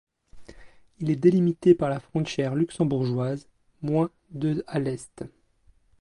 Il est délimité par la frontière luxembourgeoise, moins de à l'est.